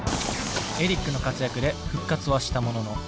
エリックの活躍で復活はしたものの。